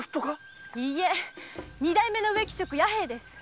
いいえ二代目の植木職・弥平です。